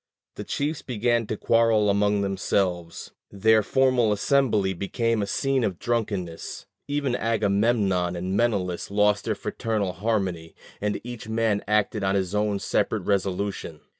The chiefs began to quarrel among themselves; their formal assembly became a scene of drunkenness; even Agamemnon and Menelaus lost their fraternal harmony, and each man acted on his own separate resolution.